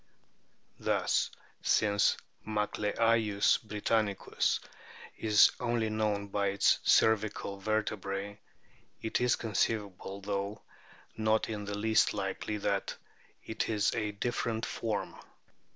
Thus since Macleayius britannicus is only known by its cervical vertebrae, it is conceivable, though not in the least likely, that it is a different form.